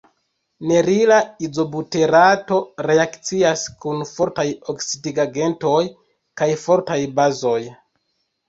Nerila izobuterato reakcias kun fortaj oksidigagentoj kaj fortaj bazoj.